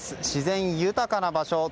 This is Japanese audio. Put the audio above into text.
自然豊かな場所。